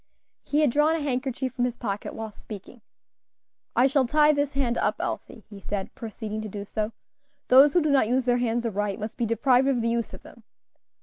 He had drawn a handkerchief from his pocket while speaking. "I shall tie this hand up, Elsie," he said, proceeding to do so; "those who do not use their hands aright must be deprived of the use of them.